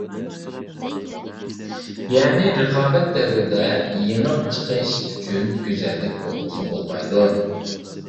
يەنى، رىقابەت دەۋرىدە يېڭىپ چىقىش ئۈچۈن گۈزەللىك بولمىسا بولمايدۇ.